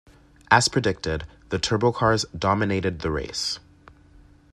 As predicted, the turbo cars dominated the race.